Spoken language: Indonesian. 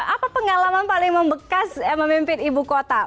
apa pengalaman paling membekas memimpin ibu kota